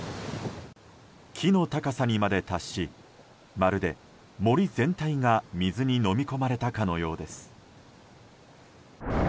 木の高さにまで達しまるで森全体が水にのみこまれたかのようです。